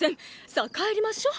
さあ帰りましょう！